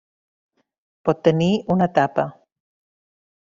Pot tenir una tapa.